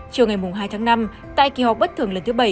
chiều ngày hai tháng năm tại kỳ họp bất thường lần thứ bảy